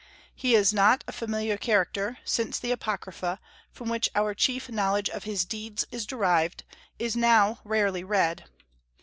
He is not a familiar character, since the Apocrypha, from which our chief knowledge of his deeds is derived, is now rarely read.